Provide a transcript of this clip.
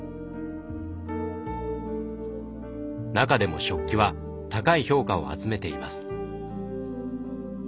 中でも食器は高い評価を集めています。